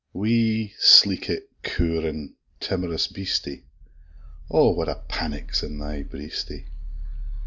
"] Wee, sleekit, cow'rin', tim'rous beastie, O, what a panic's in thy breastie!